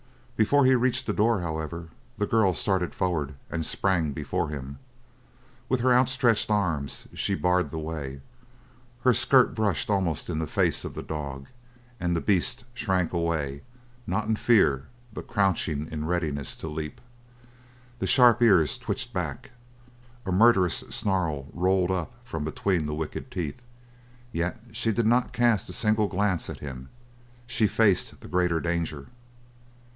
Before he reached the door, however, the girl started forward and sprang before him. With her outstretched arms she barred the way. Her skirt brushed almost in the face of the dog, and the beast shrank away not in fear, but crouching in readiness to leap. The sharp ears twitched back; a murderous snarl rolled up from between the wicked teeth. Yet she did not cast a single glance at him; she faced the greater danger.